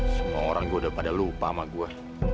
semua orang gue udah pada lupa sama gue